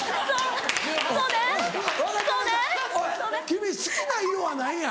君好きな色は何や？